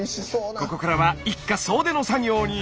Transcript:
ここからは一家総出の作業に。